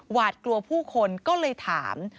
หวาดกลัวผู้คนก็เลยถาม